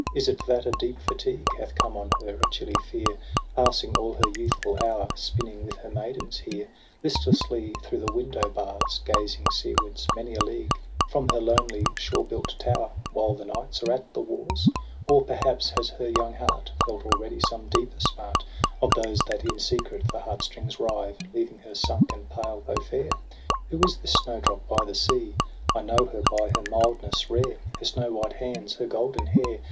Is it that a deep fatigue Hath come on her, a chilly fear, Passing all her youthful hour Spinning with her maidens here, Listlessly through the window bars Gazing seawards many a league From her lonely shore built tower, While the knights are at the wars ? Or, perhaps, has her young heart Felt already some deeper smart. Of those that in secret the heart strings rive, Leaving her sunk and pale, though fair. * Who is this snowdrop by the sea? — I know her by her mildness rare, Her snow white hands, her golden hair; TRISTRAM AND ISEULT.